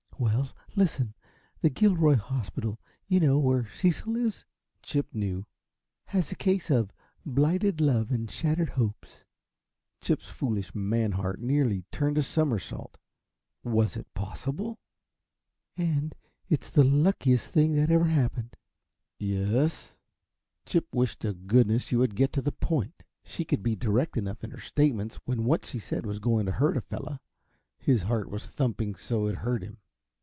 "Well, listen. The Gilroy hospital you know, where Cecil is" Chip knew "has a case of blighted love and shattered hopes" Chip's foolish, man heart nearly turned a somersault. Was it possible? "and it's the luckiest thing ever happened." "Yes?" Chip wished to goodness she would get to the point. She could be direct enough in her statements when what she said was going to hurt a fellow. His heart was thumping so it hurt him.